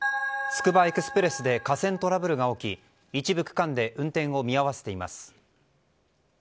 つくばエクスプレスで架線トラブルが起き一部区間で運転を見合わせています。